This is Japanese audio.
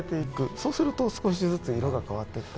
そうすると少しずつ色が変わっていって。